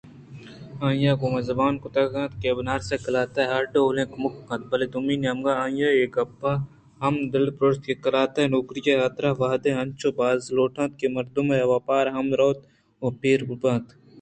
آئیءَ گوں من زبان کُتگ اَت کہ آ بناربس ءِ قلات ءَ ہرڈو لءَ کمک کنت بلئے دومی نیمگ ءَ آئی ءِ اے گپءَ ہم دل پرٛوشت کہ قلات ءِ نوکری ءِ حاترا ودار انچو باز لوٹیت کہ مردم ءِ اوپار ہم روت ءُپیر بیت